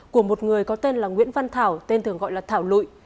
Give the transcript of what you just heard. của một người có tên là nguyễn văn thảo tên thường gọi là thảo lụy